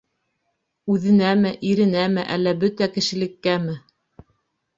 Үҙенәме, иренәме, әллә бөтә кешелеккәме?